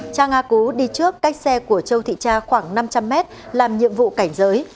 trang a cú đi trước cách xe của châu thị tra khoảng năm trăm linh m làm nhiệm vụ cảnh giới